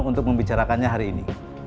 untuk membicarakannya hari ini